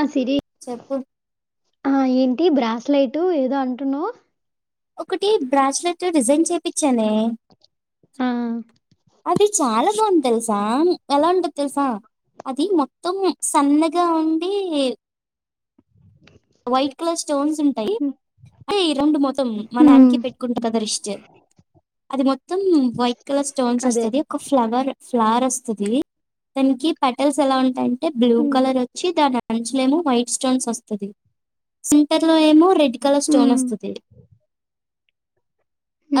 ఆ సిరి చెప్పు ఆ ఏన్ టి బ్రాస్లైట్ ఏదో అంటున్నావ్. చుర్ డిజైన్ చేపిచ్చానే. ఆహ్ అది చాలా బావుంద్ తెలుసా. ఎలా ఉంటద్ తెలుసా. అది మొత్తం సన్నగా ఉండి వైట్ కలర్ స్టోన్స్ ఉంటాయి. హ్మ్. ఏ రెండు మొత్ త్తం హ్మ్. మానంకి పెట్టుకుంట్ కదా రిస్ట్. అది మొత్తం వైట్ కలర్ స్టోన్స్ అదే. వస్తది. ఒక ఫ్లవర్ ఫ్లర్ వస్తది. దానికి పటెల్స్ ఎలా ఉంటాయంట్. టే బ్లూ హ్మ్. కలర్ వచ్చి దన్ అంచలేమో వైట్ స్టోన్స్ వస్తది. సెంటర్ లో ఏమో రెడ్ కలర్ స్టోన్ హ్మ్. వస్తది.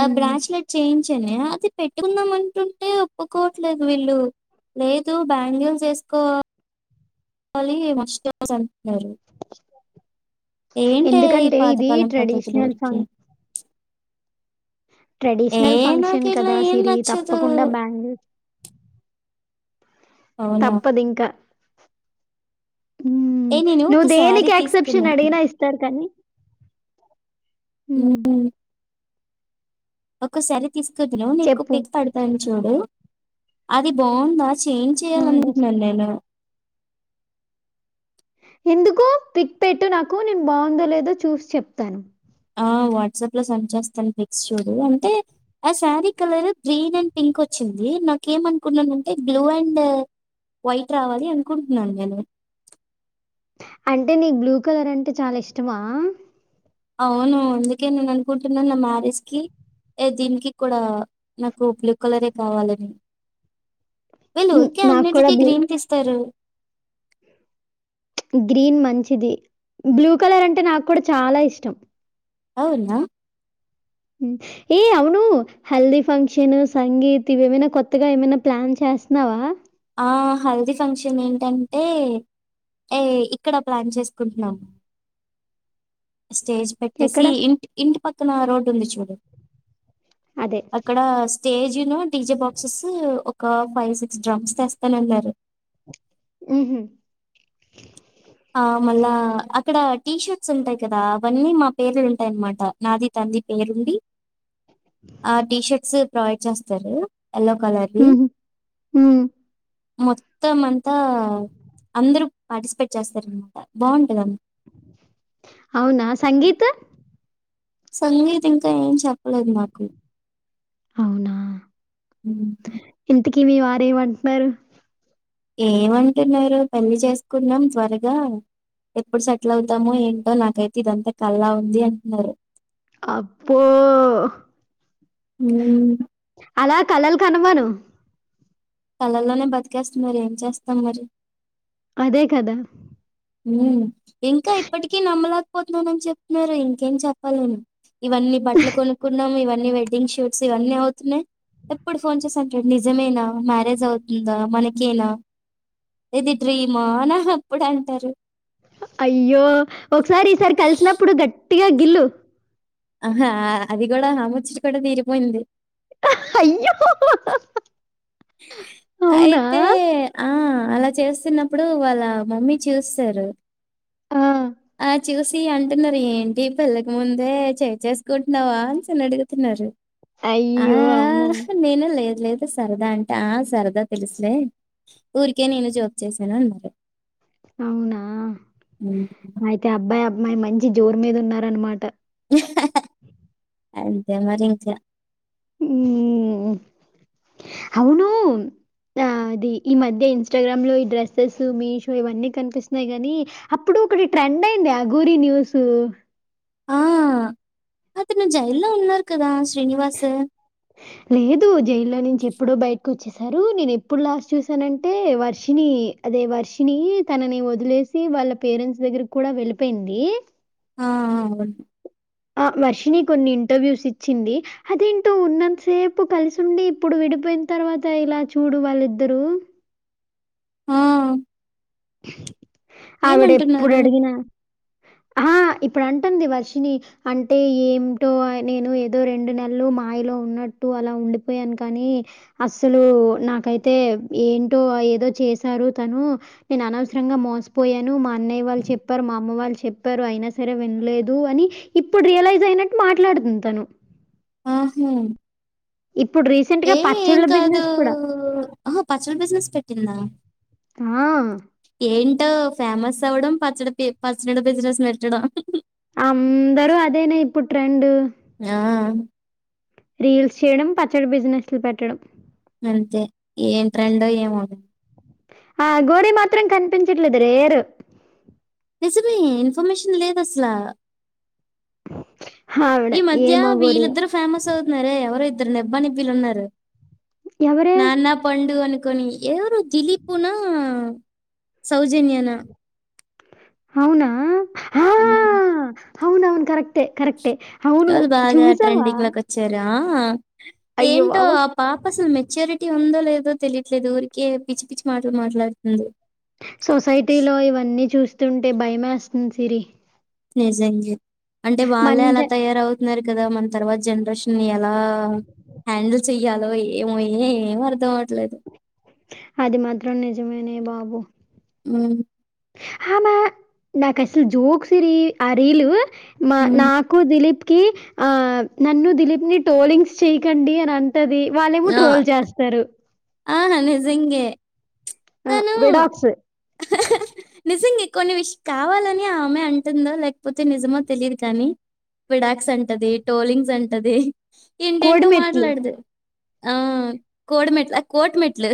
ఆహ్ బ్రాచలెట్ చైన్జ నే అది పెట్టుకుందాం అంటుంటే ఒప్పుకోవట్లేదు వీళ్ళు. లేదు బ్యాంగిల్స్ వేసుకో కోలి మస్త్ అస్సల్ దరు ఏంటే ఈ ఎందుకంటే ఇది పాతకాలం పద్ధతులు ట్రెడిషనల్ ఊరికే ఫంక్ ఏ ట్రెడిషనల్ ఫంక్షన్ నాకిట్లా కదా ఏం సిరి నచ్చదు. తప్పకుండా బ్యాంగిల్ అవునా! తప్పదు ఇంకా ఉహ్మ్ ఏ నేను నువ్వు ఒక శారీ దేనికి తీసుకున్నా. ఎక్సెప్షన్ అడిగిన ఇస్తారు. కానీ ఉహ్మ్ ఒకసారీ తీసుకుద్ను నీకు చెప్పు. పిక్ పడతాని చూడు. అది బాన్ ద చేంజ్ ఆ! డస్ చేయాలనుకుంటున్నాను నేను ఎందుకు పిక్ పెట్టు నాకు నేను బాగుందో లేదో చూసి చెప్తాను ఆ వాట్సాప్ లో సెండ్ చేస్తాను ఫిక్స్ చూడు అంటే ఆ sari colour green and pink వచ్చింది నాక ఏమ అనుకున్నానంటే బ్లూ అండ్ వైట్ రావాలి అనుకుంటున్నాను నేను అంటే నీకు బ్లూ కలర్ అంటే చాలా ఇష్టమా అవును అందుకే నేను అనుకుంటున్నాను నా మ్యారేజ్ కి దీనికి కూడా నాకు పలికులరే కావాలని వళ్ళు హ్మ్. ఊరికే నాకు కూడా అన్నింటిక బ్లూ గ్రీన్ తీ ఇస్తారు గ్రీన్ మంచిది బ్లూ కలర్ అంటే నాకు కూడా చాలా ఇష్టం అవునా హ్మ్. ఏ అవును హెల్దీ ఫంక్షన్ సంగీత్ ఇవేమైనా కొత్తగా ఏమైనా ప్లాన్ చేస్తున్నావా ఆ హల్దీ ఫంక్షన్ ఏంటంటే ఏ ఇక్కడ ప్లాన్ చేసుకుంటున్నాము స్టేజ్ పెట్టేసి ఎక్కడ? ఇంటి ఇంటి పక్క త్త నా రోడ్ ఉంది చూడు అదే. అక్కడ స్టేజీ ను టీజే బాక్సెస్ ఒక ఫైవ్ సిక్స్ డ్రామ్స్ స్తా అన్నారు ఉహుమ్ ఆ మళ్ళా అక్కడ టీ షర్ట్స్ ఉంటాయి కదా అవన్నీ మా పేర్లు ఉంటాయిన్నమాట నాది తంది పేరుండి ఆ టీషర్ట్స్ ప్రొవైడ్ చేస్తారు యల్లో కలర్ది హుహు. హ్మ్. మొత్తం అంతా అందరుూ పార్టిసిపేట్ చేస్తారనమాట బాగుంటదమ్ అవునా సంగీత సంగీత్ ఇంకా ఏం చెప్పలేదు నాకు అవునా హ్మ్ కివి వారే వంటన్నారు ఏమంటున్నారు పెళ్లి చేసుకున్నాం త్వరగా ఎప్పుడు సెటిల్ అవుతామో ఏంటో నాకైతే ఇదంతా కలా ఉంది అంటున్నారు అప్ప ఉమ్, అలా కలలు కనమాను కళ్ళల్లోనే బతికేస్తాం మరి ఏం చేస్తాం మరి అదే కదా ఇంకా ఇప్పటికీ నమ్మలేకపోతున్నానని చెప్తున్నారు ఇంకేం చెప్పాలను ఇవన్నీ బట్టలు కొనుక్కున్నాం ఇవన్నీ వెడ్డింగ్ షూట్స్ ఇవన్నీ అవుతున్నాయి ఎప్పుడు ఫోన్ చేసి అంటాడు నిజమేనా మ్యారేజ్ అవుతుందా మనకేనా ఇది డ్రీమా నా అప్పుడు అంటారు అయ్యో ఒకసారి ఈసారి కలిసినప్పుడు గట్ ట్టిగా గిల్లు ఆహా అది కూడా ఆ ముచ్చట కూడా తీరిపోయింది హా అయ్యో అవునా? అయితే అ ఆ అలా చేస్తున్నప్పుడు వాళ్ళ మమ్మీ చూసేసారు ఆ చూసి అంటున్నారు ఏంటి పెళ్ళకి ముందే చే చేసుకుంటున్నావా అనేసి అని అడుగుతున్నారు అయ్యో అవునా లేదూ సరదా అంటే సరదా తెలుసులే ఊరికే నేను జోక్ చేసాను అన్నారు అవునా హ్మ్. ఆయి తే అబ్బాయి అబ్మాయి మంచి జోరు మీద ఉన్నారు అనమాట అంతే మరి ఇంకా హుమ్ అవును ఆ అది ఈ మధ్య ఇన్స్టాగ్రామ్ లో ఈ డ్రెస్సెస్ మీషో ఇవన్నీ కనిపిస్తున్నాయి గానీ అప్పుడు ఒకటి ట్రెండ్ అయింది అగోరి న్యూస్ ఆ! అతను జైల్లో ఉన్నారు కదా శ్రీనివాస్ దు జైల్లో నుంచి ఎప్పుడో బయటకు వచ్చసారు నేను ఎప్పుడు లాస్ట్ చూసానంటే వర్షిని అదే వర్షిని తనని వదిలేసి వాళ్ళ పేరెంట్స్ దగ్గరకి కూడా వెళ్ళిపోయింది ఆ అవును ఆ వర్షిని కొన్ని ఇంటర్వ్యూస్ ఇచ్చింది అదేంటో ఉన్నంతసేపు కలిసి ఉండి ఇప్పుడు విడిపోయిన తర్వాత ఇలా చూడు వాళ్ళిద్దరూ ఆ! ఆవిడ ఎప్పుడు ఏమంటున్నారు? అడిగినా ఆ ఇప్పుడు అంటంది వర్షిని అంటే ఏమింటో నేను ఏదో రెండు నెలలు మాయలో ఉన్నట్టు అలా ఉండిపోయాను కానీ అసలు నాకైతే ఏంటో ఏదో చేశారు తను నేను అనవసరంగా మోసపోయాను మా అన్నయ్య వాళ్ళు చెప్పారు మా అమ్మ వాళ్ళు చెప్పారు అయినా సరే వినలేదు అని ఇప్పుడు రియలైజ్ అయినట్టు మాట్లాడుతుంది తను ఆహా ఇప్పుడు రీసెంట్ ఏ గా ఏం పచ్చళ్ళ కాదు. బిజినెస్ కూడా ఆహా! పచ్చడి బిజినెస్ పెట్టిందా? ఆ ఏంటో ఫేమస్ అవడం పచ్చడి పి పచ్చడి బిజినెస్ మెట్టడం అందరూ అదేనే ఇప్పుట్ ట్రెండు ఆ రీల్స్ చేయడం పచ్చడి బిజినెస్లు పెట్టడం అంతే ఏం ట్రెండ్ ఏమో లే ఆ అగోరీ మాత్రం కనిపించట్లేదు రేరు నిజమే ఇన్ఫర్మేషన్ లేదు అసలు ఆవిడ ఈ మధ్య ఏమా గోరి వీళ్ళద్దరూ ఫేమస్ అవుతున్నారే ఎవరై ఇ ఇద్దరు నిబ్బా నిబ్బిలు ఉన్నారు ఎవరే నాన్న పండు అను ఎవరు దలీపునా సౌజన్యనా అవునా హా ఉమ్, అవును అవును కరక్టే కరక్ట్ అవును వాళ్ళు బాగా చూసావా ట్రెండింగ్ లోకి వచ్చారు ఆ అయ్యో ఏంటో బాబు ఆ పాప అసలు మెచ్యూరిటీ ఉందో లేదో తెలియట్లేదు ఊరికే పిచ్చి పిచ్చి మాటలు మాట్లాడుతుంది సొసైటీ లో ఇవన్నీ చూస్త వస్తుంటే భయమే వస్తుంది సిరి నిజంగే అంటే వాళ్ళే అలా మంచి తయారవు న్నారు కదా మన తర్వాత జనరేషన్ [unintelligible] చెయ్య్యాలో ఏమో ఏ ఏం అర్ధం అవట్లేదు అది మాత్రం నిజమేనే బాబు ఉ ఆమ నాకు అసలు జోక్ సిరీ ఆ రీలు మా ఉమ్. నాకు దిలీప్ కి ఆ నన్ను దిలీప్ ని టోలింగ్స్ చేయ్యకండి అని అంటది వాళ్ళేమో ట్రోల్ చేస్తారు ఆహా నిజంగే ఆ తను విడాస్ నిజంగా కొన్ని విషయం కావాలని ఆ ఆమె అంటుందా లేకపోతే నిజమో తెలియదు కానీ విడాక్స్ అంటది టోలింగ్స్ అంటది ఇంటేంటో కోడిమెట్లు మాట్లాడదు ఆ కోడమిట్లా కోట్మిట్లు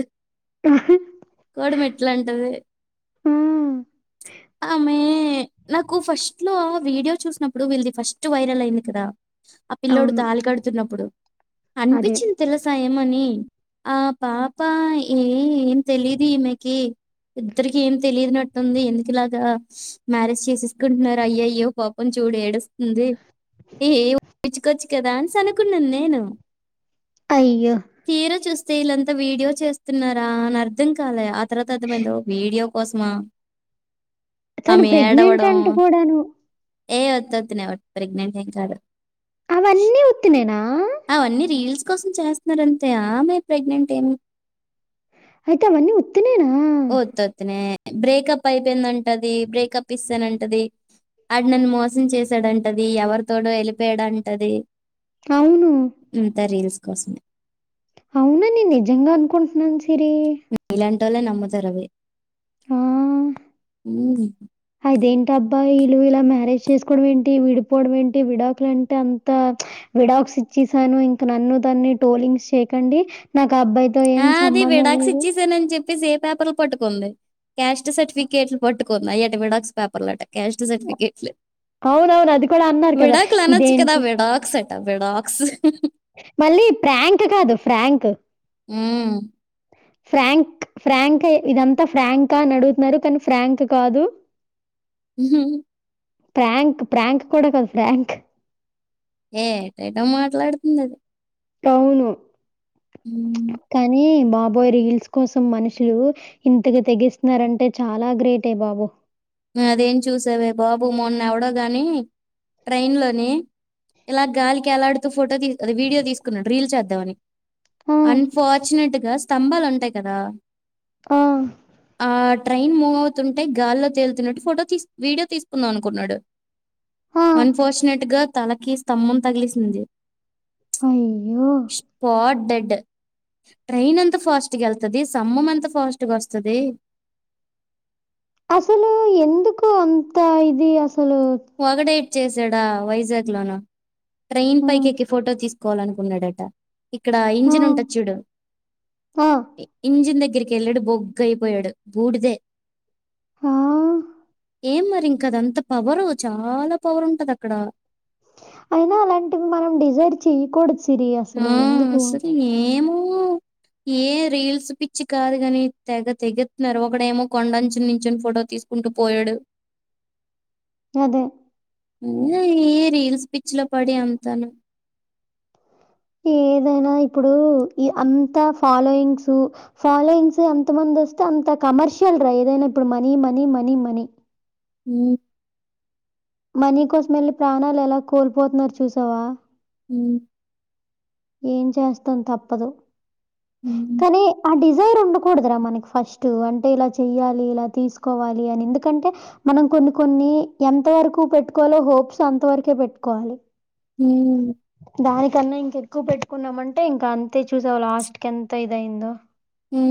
గడమి ఎట్లాంటది హ్మ్. ఆమె నాకు ఫస్ట్ లో వీడియో చూసినప్పుడు వీళ్ళది ఫస్ట్ వైరల్ అయింది కదా ఆ పిల్ల్లోడు అవును. తాళి కడుతున్నప్పుడు అదే. అనిపించింది తెలుసా ఏమని ఆ పాప ఏ ఏం తెలిదు ఈమెకి ఇద్దరికి ఏం తెలిదునట్టుంది ఎందుకులాగా మ్యారేజ్ చేసేసుకుంటున్నారు అయ్య అయ్యో పాపని చూడు ఏడు ఉంది ఏఊ పచ్చుకోచ్చు కదా అని అనుకున్నాను నేను అయ్యో! తీరా చూస్తే స్తే ఈళ్లంతా వీడియో చేస్తున్నారా అని అర్థం కాలే తర్వాత అర్థమైంది ఓ వీడియో వాస్మ తను ప్రెగ్నెంట్ అంటుకోడాను ఏ ఒత్తొత్తనే ప్రెగ్నెంటెమ్ కాదు అవన్నీ ఉత్తినేనా అవన్నీ రీల్స్ కోసం చేస్తున్నారంతే ఆమె ప్రెగ్నెంట్ ఏమి అయితే అవన్నీ ఉత్ ఓతొత్తునే బ్రేకప్ అయిపోయిదంట్ ది బ్రేకప్ ఇస్తానం టది. వాడు నన్ను మోసం చేసాడంటది, ఎవరి తోడో వెళ్ళిపోయాడంటది అవును. ఇదంతా రీల్స్ కస్మే అవునా నేను నిజంగా అనుకుంటున్నాను స్ సిరి ాల నమ్ముతారా వై ఆ! మ్మ్ అబ్బాయిలు ఇలా మ్యారేజ్ చేసుకోవడం ఏంటి విడిపోవడం ఏంటి విడాకులు అంటే అంత విడాక్స్ ఇచ్చేసాను. ఇంకా నన్ను దాన్ని టోలింగ్స్ చేయకండి నాకు ఇంక అబ్బాయితో ఏం సంబంధం లేదు పేపర్లు పట్టుకుంది. క్యాస్ట్ సర్టిఫికేట్లు పట్టుకుంది. అయట విడాక్స్ పేపర్లు అట క్యాస్ట్ సర్టిఫికేట్లు అవునవును. అది కూడా అన్నారు కదా! విడాకులనచ్చు కదా ఇదేంటి? విడాక్స్ అంట విడాక్స్ మళ్ళీ ప్రాంక్ కాదు ఫ్రాంక్ మ్మ్ ఫ్రాంక్ ఫ్రాంక్ ఇదంతా ఫ్రాంకా అని అడుగుతున్నారు కానీ ఫ్రాంక్ కాదు హ పాంక్ ప్రాంక్ కూడా కాదు ఫ్రాంక్ ఏటేటో మాట్లాడుతుంది అది అవును హ్మ్. కానీ బ బాబోయ్ రీల్స్ కోసం మనుషులు ఇంతకి తెగిస్తున్నారంటే చాలా గ్రేటే బాబో అదేం చూసావే బాబు మొన్న ఎవడో గాని ట్రైన్ లోని ఇలా గాలికి ఏలాడుతూ ఫోటో తీసుకొని వీడియో తీసుకున్నాడు రీల్స్ చేద్దామని ఆ, అన్ఫార్చునేట్గా స్తంభాలు ఉంటాయి కదా ఆ, ఆ ట్రైన్ మూవ్ అవుతుంటే గాల్లో తేలు తున్నట్టు ఫోటో తీస్ వీడియో తీసుకుందాం అనుకున్నాడు ఆ. అన్ఫార్చునేట్ గా తలకి స్తంభం తగిలేసింది అయ్యయ్యో డ్ ట్రైన్ అంత ఫాస్ట్ గెల్ ది సమ్మం ఎంత ఫాస్ట్గా వస్తుది అసలు ఎందుకు అంత ఇది అసలు పొగడేట్ చేసాడా వైజాగ్ లోన ట్రైన్ ఆ, పై ఎక్కి ఫోటో తీస్తా కోవాలనుకున్నాడట ఇక్కడ ఆ, ఇంజిన్ ఉంటది చూడు ఆ, ఇంజిన్ దగ్గ దగ్గరికిళ్ళడు బొగ్గయ్ పోయాడు బూడిదే ఆ ఏం మరి ఇంకా అద అంత పవర్ చాలా పవర్ ఉంటది అక్కడ అయినా అలాంటివి మనం డిజర్వ్ చెయకూడచ్చు ఆ సరే ఏము మొ ఏ రీల్స్ పిచ్చి కాదు గాని తెగ తెగిత్తున్నారు ఒకడేమో కొండంచుని నించుని ఫోటో తీసుకుంటూ పోయాడు అదే ఏ ఇ రియల్స్ పిచ్ లో పడి అంతాను ఏదైనా ఇప్పుడు ఈ అంత ఫాలోయింగ్స్ ఫాలోయింగ్స్ అంత మంది వస్తే అంత కమర్షియల్ రా ఏదైనా ఇప్పుడు మనీ మనీ మనీ మనీ ఉ మనీ కోసం వెల్లి ప్రాణాలు ఎలా కోల్పోతున్నారు చూసావా ఊ ఏం చేస్తాం తప్పదు హ్మ్. కానీ ఆ డి జైర్ ఉండకూడదరా మనకి ఫస్ట్ అంటే ఇలా చెయ్యాలి ఇలా తీసుకోవాలి అని ఎందుకంటే మనం కొన్ని కొన్ని ఎంత వరకు పెట్టుకోవాలో హోప్స్ అంత వరకే పెట్టుకోవాలి హ్మ్. దాని కన్నా ఇంక ఎక్కువ పెట్టుకున్నామంటే ఇంకా తే చూసావ్ లాస్ట్ కెన్త ఇదైంద ఉ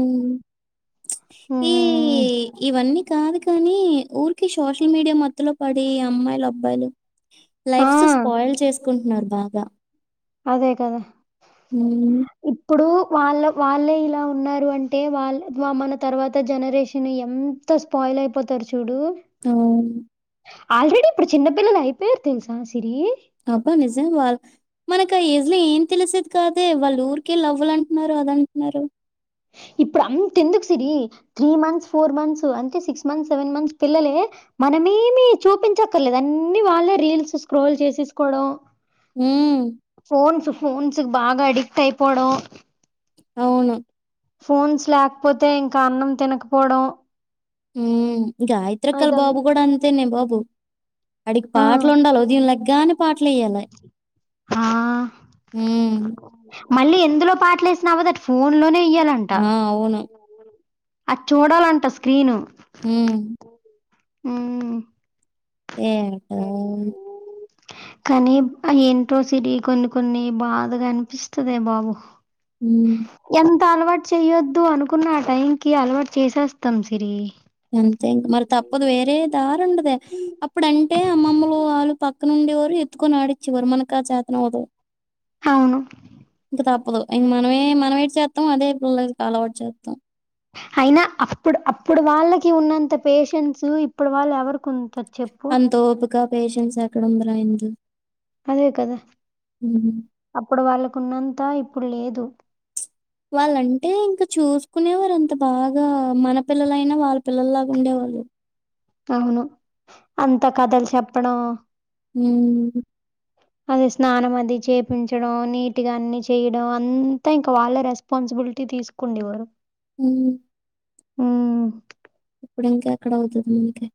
ఈ హ్మ్. ఇవన్నీ కాదు కాని ఊరికి సోషల్ మీడియా మత్తులో పడి అమ్మాయిలు అబ్బాయిలు ఆ! లైఫ్స్ స్పాయిల్ చేసు కుంటున్నారు బాగా అదే కదా హ్మ్. ఇప్పుడు వాళ్ళ వాళ్ళే ఇలా ఉన్నారు అంటే వాళ్ళు మన తర్వాత జనరేషన్ ఎంత స్పాయిల్ అయిపోతారు చ చూడు అవును. ఆల్రెడీ ఇప్పుడు చిన్నపిిల్లలు అయిపోయారు తెలుసా సిరి అబ్బా నిజం వాళ్ మనకు ఆ ఏజ్ ఏం తెలిసేది కాదే వాళ్ళ ఊరికే లవ్వులు అంటున్నారు అద అంటున్నారు ఇప్పుడు అంత ఎందుకు Siri three months four months అంటే సిక్స్ మంత్స్ సెవెన్ మంత్స్ పిల్లలే మనమేమి చూపించక్కర్లేదు అన్నిీ వాళ్ళే రీల్స్ స్క్రోల్ చేసేసుకోవడం హ్మ్. ఫోన్స్ ఫోన్స్ బాగా అడిక్ట్ అయిపోవడం అవును ఫోన్స్ లేకపోతే ఇంకా అన్నం తినకపోవడం హు గాయత్రక్క వాళ్ళ ఇదన్ బాబు కూడా అంతేనే బాబు బు అడికి ఆ! పాటలు ఉండాలి ఉదయం లెగ్గానే పాటలేయ్యాలి ఆ! హు మళ్ళీ ఎందులో పాటలే వేసినావాో దట్ ఫోన్ లోనే వె ఆ అవును అది చూడాలంట స్క్రీను హు హు ఏంటో కానీ ఏంటో సిరి కొన్ని కొన్ని బాధగా అనిపిస్తదే బాబు హు త అలవాటు చేయొద్దు అనుకున్న ఆ టైం కి అలవాటు చేసేస్తాం సిరి గంతే మరి తప్పదు వేరే ఏదారుండదే అప్పుడు అంటే అమ్మమ్మలు వాళ్ళు పక్ క్క నుండే వారు ఎత్తుకొని ఆడిచ్చేవారు మన కా చతనవ్వదు అవును తప్పదు ఇక మనమే మనవేటి చెత్తం అదే పిల్లలకి అలవాటు చెత్తం అయినా అప్పుడు అప్పుడు వాళ్ళకి ఉన్నంత పేషన్స్ ఇప్పుడు వాళ్ళు ఎవరికి ఉంన్ ది చెప్పు కా పేషెన్స్ ఎక్కడ ఉంద్రాయనకి అదే కదా అప్పుడు వాళ్ళకున్నంత ఇప్ ప్పుడు లేదు వాళ్ళంటే ఇంకా చూసుకునేవారు అంత బాగా మన పిల్లలైనా వాళ్ళ పిల్లల్లాగా ఉండేవాళ్ళు అవును అంత కథలు చెప్పడం హ్మ్ అదే స్నానం అది చేపించడం నీట్గా అన్ని చేయడం అంతా ఇంకా వాళ్లే రెస్పాన్సిబిలిటీ తీసుకుండేవారు మ్మ్ మ్మ్ ఇప్పుడు ఇంకా ఎక్కడ అవుతది మనకి